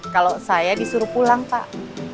kalau saya disuruh pulang pak